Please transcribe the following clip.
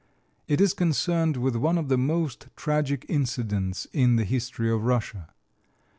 It is concerned with one of the most tragic incidents in the history of Russia.